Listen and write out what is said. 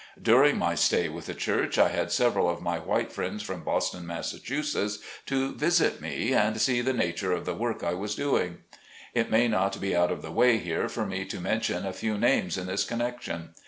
During my stay with the church I had several of my white friends from Boston, Mass., to visit me, and see the nature of the work I was doing. It may not be out of the way here for me to men tion a few names in this connection.